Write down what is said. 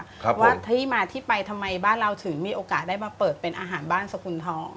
ครับว่าที่มาที่ไปทำไมบ้านเราถึงมีโอกาสได้มาเปิดเป็นอาหารบ้านสกุลทอง